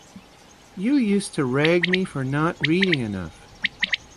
You used to rag me for not reading enough.